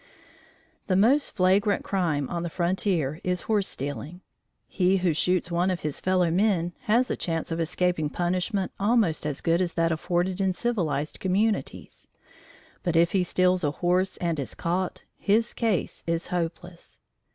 The most flagrant crime on the frontier is horse stealing. He who shoots one of his fellow men has a chance of escaping punishment almost as good as that afforded in civilized communities, but if he steals a horse and is caught, his case is hopeless.